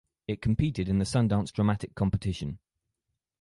It competed in the Sundance Dramatic Competition.